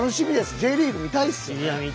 Ｊリーグ、見たいですよ。